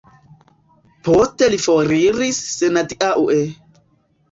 Poste li foriris senadiaŭe.